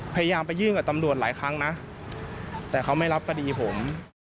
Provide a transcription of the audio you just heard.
พยายามไปยื่นกับตำรวจหลายครั้งนะแต่เขาไม่รับคดีผม